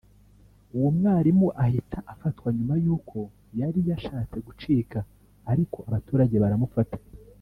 uwo mwarimu ahita afatwa nyuma y’uko yari yashatse gucika ariko abaturage baramufata